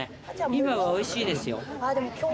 今はおいしいですよ。